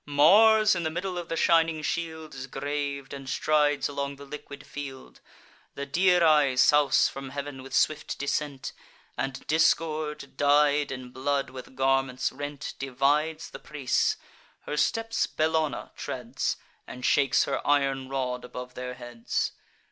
Mars in the middle of the shining shield Is grav'd, and strides along the liquid field. The Dirae souse from heav'n with swift descent; And Discord, dyed in blood, with garments rent, Divides the prease: her steps Bellona treads, And shakes her iron rod above their heads.